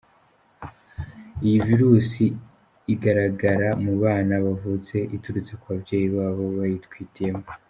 Iyi Virusi igaragara mu bana bavutse iturutse ku babyeyi babo bayitwitiyemo.